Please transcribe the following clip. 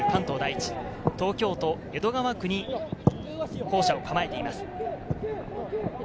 東京都江戸川区に校舎を構えています。